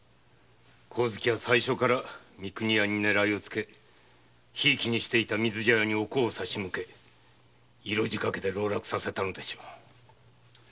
香月は最初から三国屋に狙いをつけひいきにしていた水茶屋へお甲を差し向け色仕掛けで籠絡させたのでしょう。